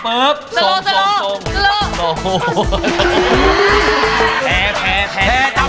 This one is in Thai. แพ้อีกแล้ว